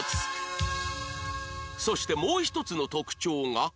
そしてもう一つの特徴が